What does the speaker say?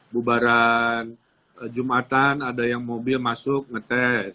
bubaran jumatan ada yang mobil masuk ngetes